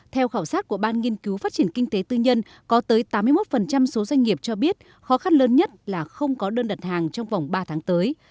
theo khảo sát của ban nghiên cứu phát triển kinh tế tư nhân có tới tám mươi một số doanh nghiệp cho biết khó khăn lớn nhất là không có đơn đặt hàng trong vòng ba tháng tới